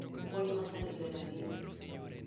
Puonj masani ber ahinya